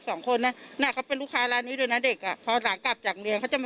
แต่ในความรู้สึกเราน่ะเราก็ทรงสารเขานั่นแหละ